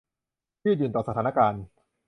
ยืดหยุ่นต่อสถานการณ์